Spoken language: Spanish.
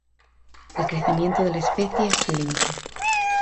El crecimiento de la especie es lento.